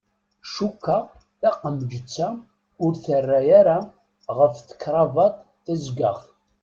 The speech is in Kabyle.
Cukkeɣ taqemǧet-a ur terra ara ɣef tekrabaṭ tazeggaɣt.